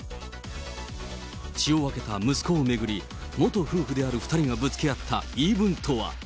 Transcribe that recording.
血を分けた息子を巡り、元夫婦である２人がぶつけ合った言い分とは。